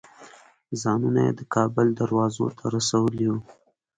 ځانونه یې د کابل دروازو ته رسولي وو.